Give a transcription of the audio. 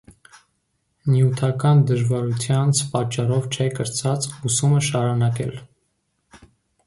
Նիւթական դժուարութեանց պատճառով չէ կրցած ուսումը շարանակել։